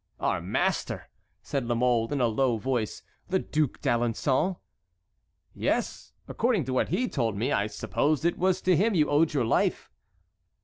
"Our master!" said La Mole, in a low voice, "the Duc d'Alençon?" "Yes. According to what he told me, I supposed it was to him you owed your life."